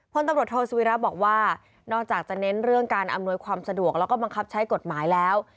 พลตำรวจโทษสุวิระบอกว่านอกจากจะเน้นเรื่องการอำนวยความสะดวกแล้วก็บังคับใช้กฎหมายแล้ว